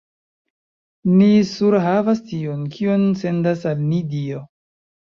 Ni surhavas tion, kion sendas al ni Dio!